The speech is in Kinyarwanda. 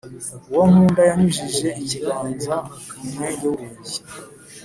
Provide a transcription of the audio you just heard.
Uwo nkunda yanyujije ikiganza mu mwenge w’urugi,